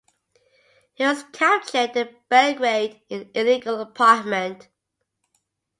He was captured in Belgrade in an illegal apartment.